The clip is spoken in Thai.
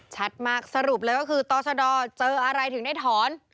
ชัดมากสรุปเลยก็คือต่อชะดอเจออะไรถึงได้ถอน